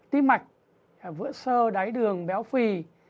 tí mạch vữa sơ đáy đường béo phì